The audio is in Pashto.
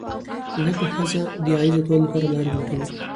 زده کړه ښځه د عاید زیاتوالي لپاره لارې لټوي.